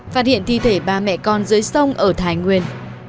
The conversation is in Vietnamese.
phát hiện thi thể ba mẹ con dưới sông ở thái nguyên